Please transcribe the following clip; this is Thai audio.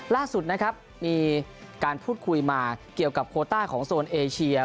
ล่าสุดนะครับมีการพูดคุยมาเกี่ยวกับโคต้าของโซนเอเชีย